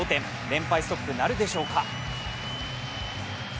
連敗ストップなるでしょうか。